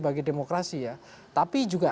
bagi demokrasi ya tapi juga